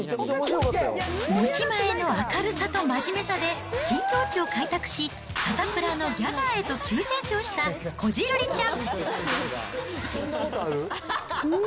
持ち前の明るさと真面目さで新境地を開拓し、サタプラのギャガーへと急成長したこじるりちゃん。